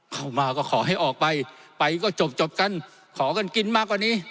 เข้ามาก็ขอให้ออกไปไปก็จบกันขอกันกินมากกว่านี้